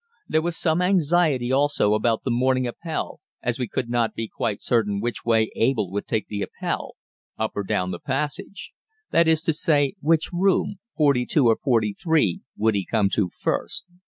There was some anxiety also about the morning Appell, as we could not be quite certain which way Abel would take the Appell, up or down the passage: that is to say, which room, 42 or 43, would he come to first?